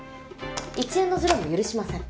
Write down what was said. １円のずれも許しません。